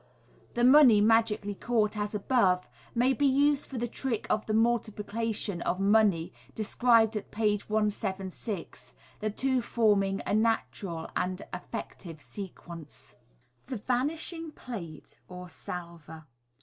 The money magically caught as above may be used for the trick of the Multiplication of Money, described at page 176, the two forming a natural and effective sequence. The Vanishing Platb, or Salver.